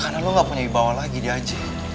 karena lo gak punya ibadah lagi di aj